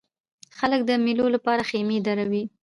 خلک د مېلو له پاره خیمې دروي.